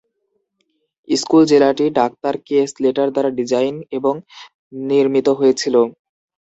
School জেলাটি doctor K. Slater দ্বারা design এবং নির্মিত হয়েছিল।